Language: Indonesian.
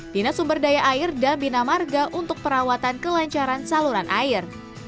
dinas sumber daya air dan bina marga untuk perawatan kelancaran saluran air